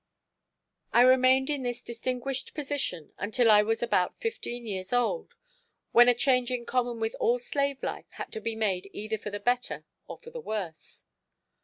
I remained in this distinguished position until I was about fifteen years old, when a change in common with all slave life had to be made either for the better or for the worse.